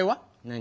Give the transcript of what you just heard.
何？